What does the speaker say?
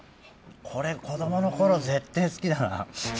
これ子供の頃ぜってぇ好きだな。